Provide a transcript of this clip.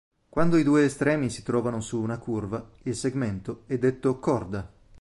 Quando i due estremi si trovano su una curva, il segmento è detto corda.